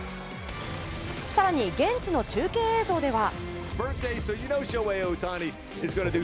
更に現地の中継映像では。